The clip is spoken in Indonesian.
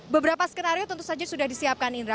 beberapa skenario tentu saja sudah disiapkan indra